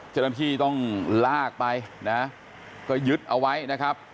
เจ้าหน้าที่ต้องลากไปนะก็ยึดเอาไว้นะครับ